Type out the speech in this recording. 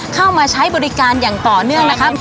เข้ามาใช้บริการอย่างต่อเนื่องนะครับ